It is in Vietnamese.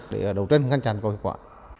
để đấu tranh ngăn chắn có hiệu quả